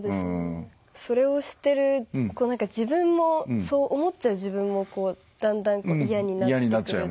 それをしてる自分も、そう思っちゃう自分もだんだん嫌になってくる。